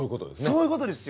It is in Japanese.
そういうことですよ。